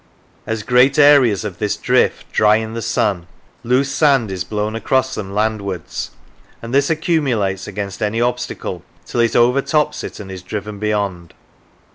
As great areas of this drift dry in the sun, loose sand is blown across them landwards, and this accumulates against any obstacle till it overtops it and is driven beyond.